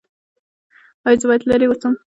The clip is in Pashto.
ایا زه باید لرې اوسم؟